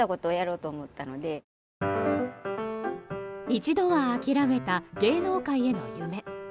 一度は諦めた芸能界への夢。